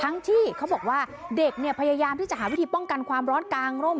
ที่เขาบอกว่าเด็กเนี่ยพยายามที่จะหาวิธีป้องกันความร้อนกลางร่ม